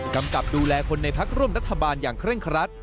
กำกับดูแลคนในพักร่วมรัฐบาลอย่างเคร่งครัด